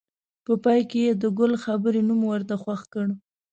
په پای کې یې د ګل خبرې نوم ورته خوښ کړ.